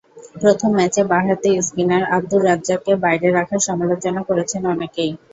প্রথম ম্যাচে বাঁহাতি স্পিনার আবদুর রাজ্জাককে বাইরে রাখার সমালোচনা করেছেন অনেকেই।